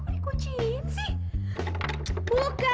hai kok kucing sih buka